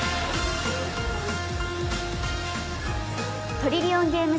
トリリオンゲーム